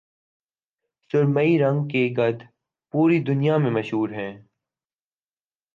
سرمئی رنگ کے گدھ پوری دنیا میں مشہور ہیں